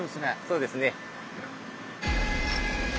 そうですね。